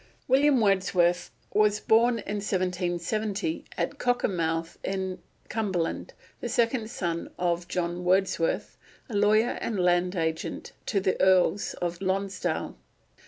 William Wordsworth was born in 1770, at Cockermouth, in Cumberland, the second son of John Wordsworth, a lawyer and land agent to the Earls of Lonsdale.